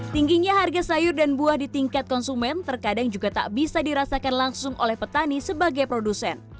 tingginya harga sayur dan buah di tingkat konsumen terkadang juga tak bisa dirasakan langsung oleh petani sebagai produsen